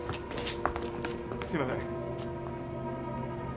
すいません。